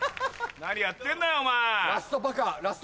何やってんだよお前。